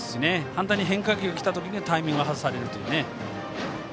反対に変化球が来た時にはタイミングを外されるというね。